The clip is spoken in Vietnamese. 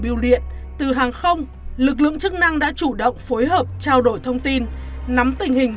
biêu điện từ hàng không lực lượng chức năng đã chủ động phối hợp trao đổi thông tin nắm tình hình